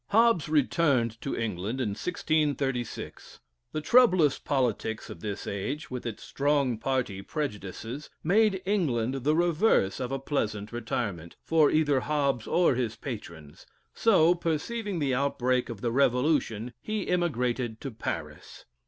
Hobbes returned to England in 1636. The troublous politics of this age, with its strong party prejudices, made England the reverse of a pleasant retirement, for either Hobbes or his patrons; so, perceiving the outbreak of the Revolution, he emigrated to Paris.